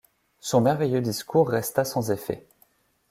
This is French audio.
Son merveilleux discours resta sans effets.